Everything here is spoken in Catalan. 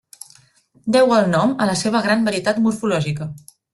Deu el nom a la seva gran varietat morfològica.